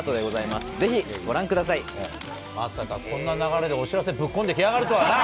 まさかこんな流れで、お知らせぶっ込んできやがるとはな。